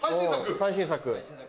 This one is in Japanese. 最新作。